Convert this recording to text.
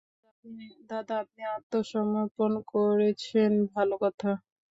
দাদা, আপনি আত্মসমর্পণ করেছেন ভালো কথা।